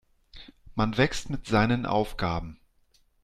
Man wächst mit seinen Aufgaben.